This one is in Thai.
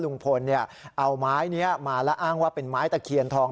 ลุงพลเอาไม้นี้มาแล้วอ้างว่าเป็นไม้ตะเคียนทอง